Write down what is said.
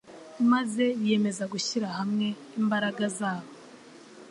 maze biyemeza gushyira hamwe imbaraga zabo